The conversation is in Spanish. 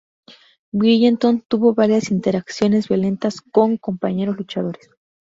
Billington tuvo varias interacciones violentas con compañeros luchadores.